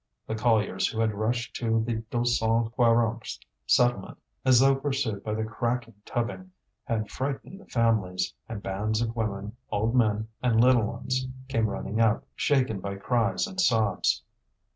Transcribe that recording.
The colliers who had rushed to the Deux Cent Quarante settlement, as though pursued by the cracking tubbing, had frightened the families; and bands of women, old men, and little ones came running up, shaken by cries and sobs.